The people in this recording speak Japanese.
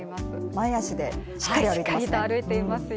前足でしっかりと歩いていますね。